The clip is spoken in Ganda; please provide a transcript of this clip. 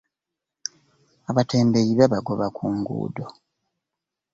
Abatembeeyi babagoba ku nguddo